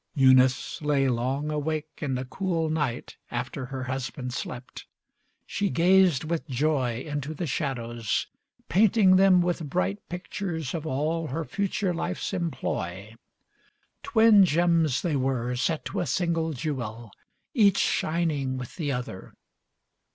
LII Eunice lay long awake in the cool night After her husband slept. She gazed with joy Into the shadows, painting them with bright Pictures of all her future life's employ. Twin gems they were, set to a single jewel, Each shining with the other.